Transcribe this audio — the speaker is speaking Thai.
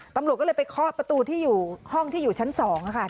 ตำรวจก็เลยไปเคาะประตูที่อยู่ห้องที่อยู่ชั้น๒ค่ะ